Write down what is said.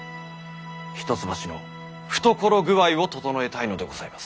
一橋の懐具合をととのえたいのでございます。